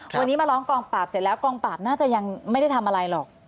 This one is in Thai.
วันนี้มาร้องกองปราบเสร็จแล้วกองปราบน่าจะยังไม่ได้ทำอะไรหรอก